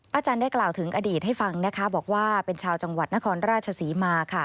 อาจารย์ได้กล่าวถึงอดีตให้ฟังนะคะบอกว่าเป็นชาวจังหวัดนครราชศรีมาค่ะ